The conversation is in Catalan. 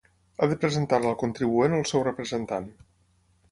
Ha de presentar-la el contribuent o el seu representant.